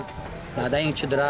tidak ada yang cedera